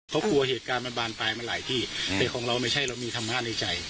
เขากลัวเหตุการณ์มันบานปลายมาหลายที่แต่ของเราไม่ใช่เรามีธรรมะในใจ